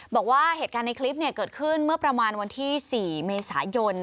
บอกว่าเหตุการณ์ในคลิปเกิดขึ้นเมื่อประมาณวันที่๔เมษายน